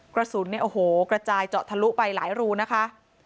กระสุนเนี่ยโอ้โหกระจายเจาะทะลุไปหลายรูนะคะ